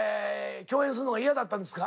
共演するのが嫌だったんですか？